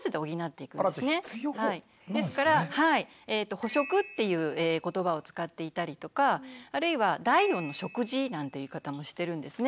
「補食」っていうことばを使っていたりとかあるいは「第４の食事」なんて言い方もしてるんですね。